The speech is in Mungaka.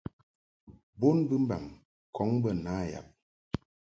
Bon bɨmbaŋ ŋkɔŋ bə na yab.